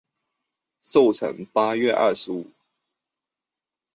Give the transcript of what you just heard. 寿辰八月二十五。